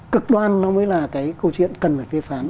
cực đoan nó mới là cái câu chuyện cần phải phê phán